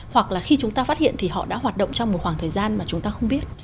hoặc là khi chúng ta phát hiện thì họ đã hoạt động trong một khoảng thời gian mà chúng ta không biết